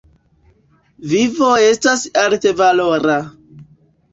Vivo estas altvalora.